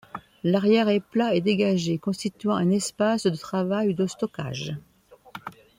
L'arrière est plat et dégagé, constituant un espace de travail ou de stockage.